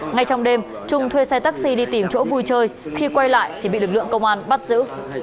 ngay trong đêm trung thuê xe taxi đi tìm chỗ vui chơi khi quay lại thì bị lực lượng công an bắt giữ